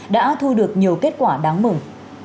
đã thu được nhiều kết quả đáng mừng